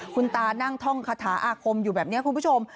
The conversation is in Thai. คุณตานั่งท่องคาถาอาคมอยู่แบบนี้คุณผู้ชม